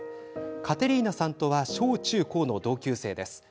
カテリーナさんとは小中高の同級生です。